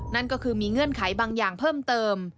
นั่นก็คือมีเงื่อนไขบางอย่างเพิ่มเติม